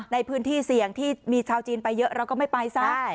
ในพื้นที่เสี่ยงที่มีชาวจีนไปเยอะเราก็ไม่ไปซะ